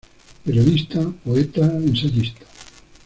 Periodista, poeta, ensayista.